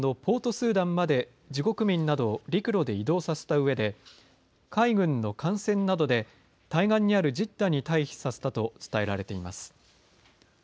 スーダンまで自国民などを陸路で移動させた上で海軍の艦船などで対岸にあるジッダに退避させたと伝えられています。